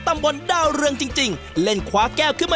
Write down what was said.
ธนยกธนยกสุดท้ายเลย